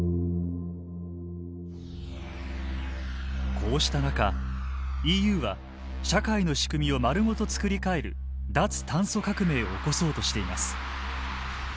こうした中ＥＵは社会の仕組みを丸ごと作り替える脱炭素革命を起こそうとしています。